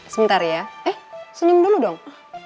sebentar ya eh senyum dulu dong